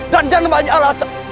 dan jangan banyak alasan